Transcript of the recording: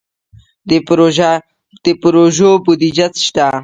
د پروژو بودیجه شته؟